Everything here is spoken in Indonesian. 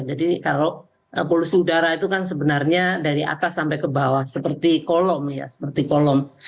jadi kalau polusi udara itu kan sebenarnya dari atas sampai ke bawah seperti kolom ya